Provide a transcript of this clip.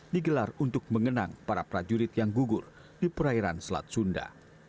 digelar untuk mengenang para prajurit yang gugur di perairan selat sunda